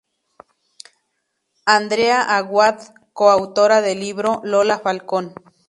Andrea Aguad coautora del libro "Lola Falcón.